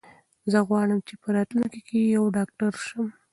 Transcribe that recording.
زه غواړم چې په راتلونکي کې یو ډاکټر شم.